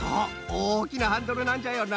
おおきなハンドルなんじゃよな